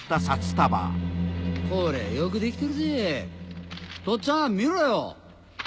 こりゃよく出来てるぜとっつぁん見ろよ。